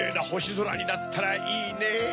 ぞらになったらいいねぇ。